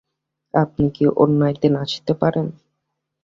আপনি কি অন্য একদিন আসতে পারেন?